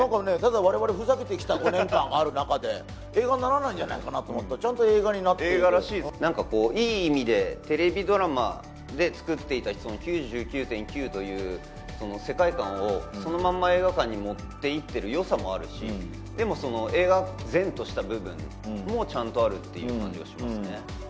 我々ふざけてきた５年間がある中で映画にならないと思ったらちゃんと映画になっているいい意味でテレビドラマで作っていた「９９．９」の世界観をそのまんま映画館に持っていってる良さもあるしでも映画然とした部分もちゃんとある感じがしますね